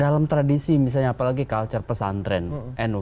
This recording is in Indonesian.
dalam tradisi misalnya apalagi culture pesantren nu